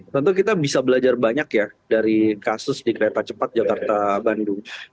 tentu kita bisa belajar banyak ya dari kasus di kereta cepat jakarta bandung